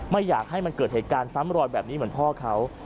ไม่อยากให้มันเกิดเหตุการณ์ซ้ำรอยแบบนี้เหมือนพ่อเขา